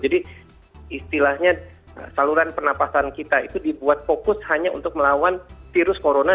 jadi istilahnya saluran penapasan kita itu dibuat fokus hanya untuk melawan virus corona